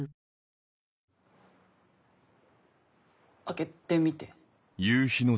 開けてみて。